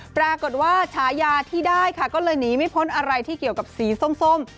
ปรากฏว่าฉายาที่ได้ค่ะก็เลยหนีไม่พ้นอะไรที่เกี่ยวกับสีส้ม